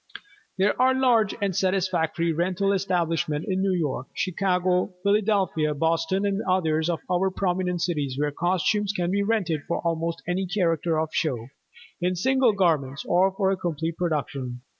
There are large and satisfactory rental establishments in New York, Chicago, Philadelphia, Boston, and others of our prominent cities where costumes can be rented for almost any character of show, in single garments or for a complete production.